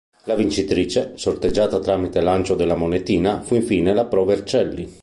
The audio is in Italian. La vincitrice, sorteggiata tramite lancio della monetina, fu infine la Pro Vercelli.